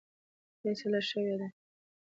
فیصله شوې ده.